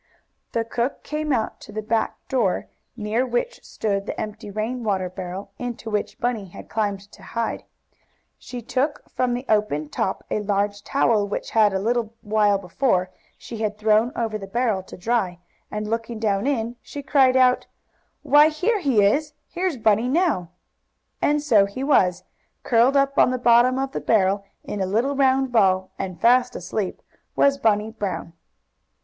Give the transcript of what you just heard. The cook came out to the back door, near which stood the empty rain water barrel, into which Bunny had climbed to hide. She took from the open top a large towel which, a little while before, she had thrown over the barrel to dry, and, looking down in, she cried out: "Why here he is! Here's Bunny now!" And so he was! Curled up on the bottom of the barrel, in a little round ball, and fast asleep, was Bunny Brown.